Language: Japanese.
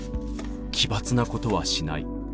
奇抜な事はしない